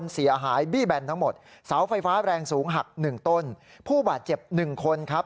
สาวไฟฟ้าแรงสูงหัก๑ต้นผู้บาดเจ็บ๑คนครับ